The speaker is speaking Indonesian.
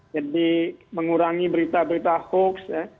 jadi mengurangi berita berita hoax